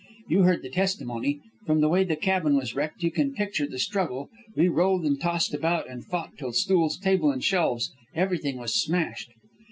You heard the testimony. From the way the cabin was wrecked, you can picture the struggle. We rolled and tossed about and fought till stools, table, shelves everything was smashed.